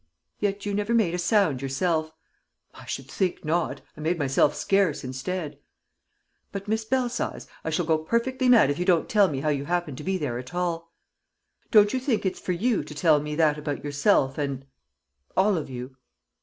"Yet you never made a sound yourself." "I should think not! I made myself scarce instead." "But, Miss Belsize, I shall go perfectly mad if you don't tell me how you happened to be there at all!" "Don't you think it's for you to tell me that about yourself and all of you?"